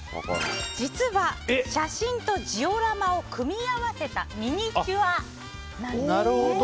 実は写真とジオラマを組み合わせたミニチュアなんです。